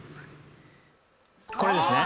これですね。